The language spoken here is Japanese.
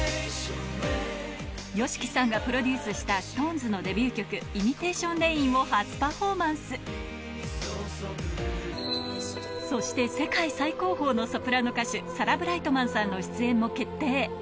ＹＯＳＨＩＫＩさんがプロデュースしたＳｉｘＴＯＮＥＳのデビュー曲『ＩｍｉｔａｔｉｏｎＲａｉｎ』を初パフォーマンスそして世界最高峰のソプラノ歌手サラ・ブライトマンさんの出演も決定